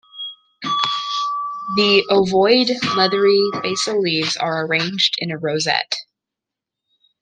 The ovoid, leathery basal leaves are arranged in a rosette.